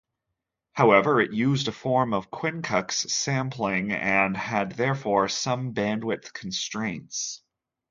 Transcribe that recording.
However, it used a form of quincux sampling and had therefore some bandwidth constraints.